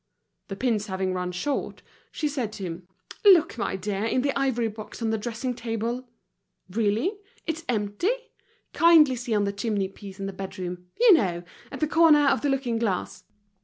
The pins having run short, she said to him: "Look, my dear, in the ivory box on the dressing table. Really! it's empty? Kindly see on the chimney piece in the bedroom; you know, at the corner of the looking glass."